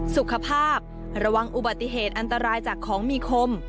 สุขภาพระวังอุบัติเหตุอันตรายจากของมีคม